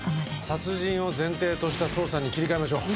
殺人を前提とした捜査に切り替えましょう。